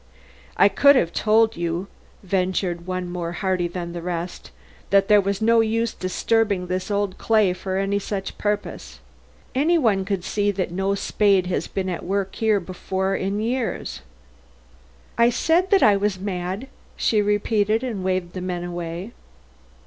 "I could have told you," ventured one more hardy than the rest, "that there was no use disturbing this old clay for any such purpose. Any one could see that no spade has been at work here before in years." "I said that I was mad," she repeated, and waved the men away.